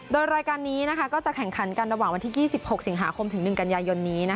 โดยรายการนี้ก็จะแข่งขันกันระหว่างวันที่๒๖สิงหาคมถึง๑กันยายนนี้